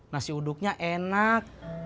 nasi uduknya enak